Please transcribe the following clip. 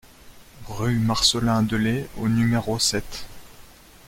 Rue Marcelin Delaye au numéro sept